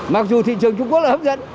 mặc dù thị trường trung quốc là hấp dẫn